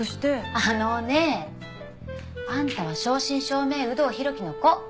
あのねあんたは正真正銘有働弘樹の子。